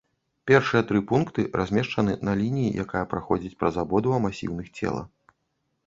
Першыя тры пункты размешчаны на лініі, якая праходзіць праз абодва масіўных цела.